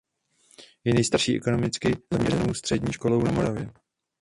Je nejstarší ekonomicky zaměřenou střední školou na Moravě.